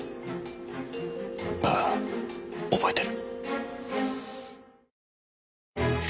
ああ覚えてる。